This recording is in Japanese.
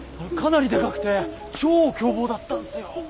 かなりでかくて超凶暴だったんすよ！